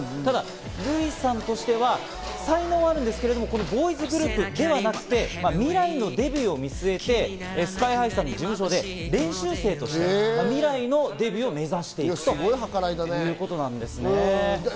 ただルイさんとしては、才能はあるんですけど、このボーイズグループではなくて、未来のデビューを見据えて、ＳＫＹ−ＨＩさんの事務所で練習生として未来のデビューを目指していくということなんですね。